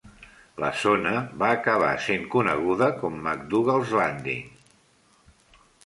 La zona va acabar sent coneguda com "McDougal's Landing".